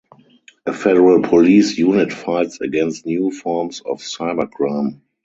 A Federal Police unit fights against new forms of cybercrime.